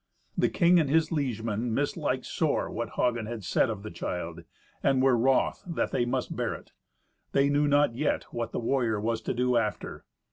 The king and his liegemen misliked sore what Hagen had said of the child, and were wroth that they must bear it. They knew not yet what the warrior was to do after.